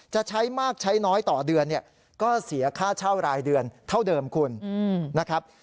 จะใช้มากใช้น้อยต่อเดือนเนี่ยก็เสียค่าเช่ารายเดือนเท่าเดิมคุณนะครับ